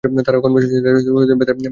তারা কনভেনশন সেন্টারের ভেতরে যাচ্ছে।